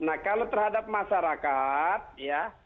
nah kalau terhadap masyarakat ya